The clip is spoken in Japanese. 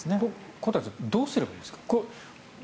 小谷さんどうすればいいんですか？